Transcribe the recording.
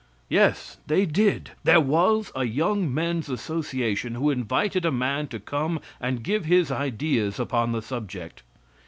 Yes, they did! There was a Young Men's Association who invited a man to come and give his ideas upon the subject.